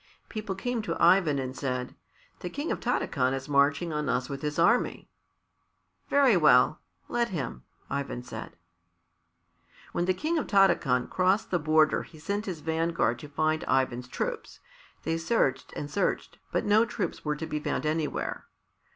People came to Ivan and said, "The King of Tarakan is marching on us with his army." "Very well; let him," Ivan said. When the King of Tarakan crossed the border he sent his vanguard to find Ivan's troops. They searched and searched, but no troops were to be found anywhere.